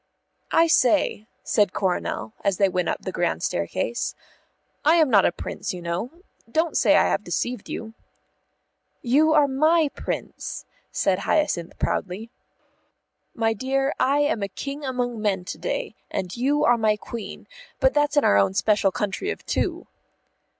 "I say," said Coronel, as they went up the grand staircase, "I am not a Prince, you know. Don't say I have deceived you." "You are my Prince," said Hyacinth proudly. "My dear, I am a king among men to day, and you are my queen, but that's in our own special country of two."